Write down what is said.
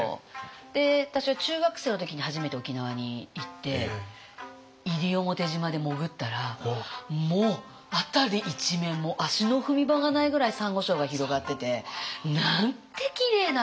で私は中学生の時に初めて沖縄に行って西表島で潜ったらもう辺り一面足の踏み場がないぐらいサンゴ礁が広がっててなんてきれいなんだろう。